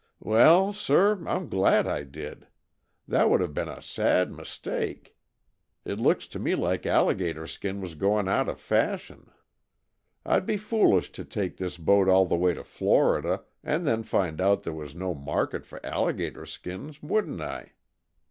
"Well, sir, I'm glad I did! That would have been a sad mistake. It looks to me like alligator skin was going out of fashion. I'd be foolish to take this boat all the way to Florida and then find out there was no market for alligator skins, wouldn't I?"